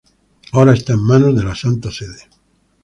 Ahora está en manos de la Santa Sede.